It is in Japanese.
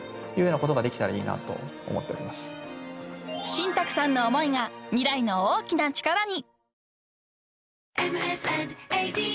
［新宅さんの思いが未来の大きな力に］